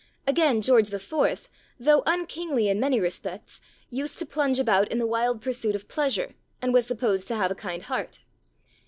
Again George IV., though unkingly in many respects, used to plunge about in the wild pursuit of pleasure, and was supposed to have a kind heart.